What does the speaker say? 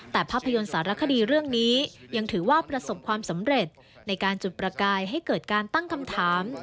แต่ภาพยนตร์สารคดีเรื่องนี้ยังถือว่าประสบความสำเร็จในการจุดประกายให้เกิดการตั้งคำถาม